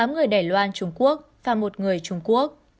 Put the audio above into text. tám người đài loan trung quốc và một người trung quốc